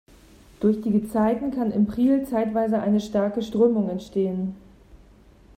Durch die Gezeiten kann im Priel zeitweise eine starke Strömung entstehen.